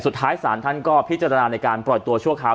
สุดท้ายศาลท่านก็พิจารณาในการปล่อยตัวชั่วคราว